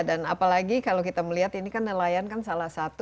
dan apalagi kalau kita melihat ini kan nelayan kan salah satu